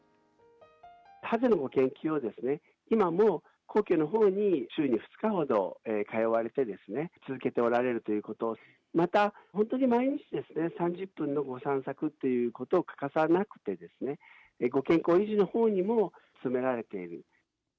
ハゼの研究をですね、今も皇居のほうに週に２日ほど通われてですね、続けておられるということ、また、本当に毎日ですね、３０分のご散策っていうことを欠かさなくてですね、ご健康維持のほうにも努められている。